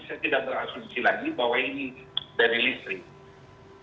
saya tidak berasumsi lagi bahwa ini dari listrik